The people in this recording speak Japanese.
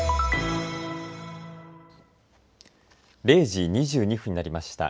０時２２分になりました。